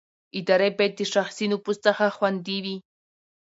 ادارې باید د شخصي نفوذ څخه خوندي وي